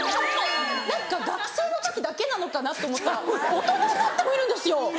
何か学生の時だけなのかなって思ったら大人になってもいるんですよ